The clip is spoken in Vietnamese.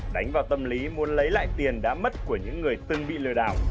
đánh vào tâm lý muốn lấy lại tiền đã mất của những người từng bị lừa đảo